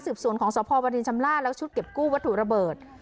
สืบสวนของสภพประธินชำระแล้วชุดเก็บกู้วัตถุระเบิด